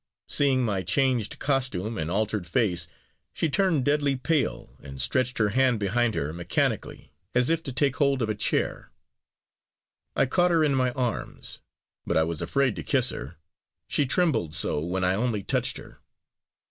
Seeing my changed costume and altered face, she turned deadly pale, and stretched her hand behind her mechanically, as if to take hold of a chair. I caught her in my arms; but I was afraid to kiss her she trembled so when I only touched her.